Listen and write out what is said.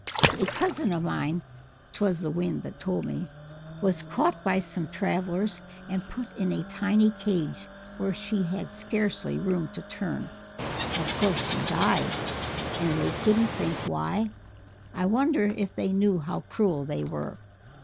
A cousin of mine 'twas the Wind that told me was caught by some travellers and put in a tiny cage where she had scarcely room to turn. Of course she died, and they 'couldn't think why'! I wonder if they knew how cruel they were?"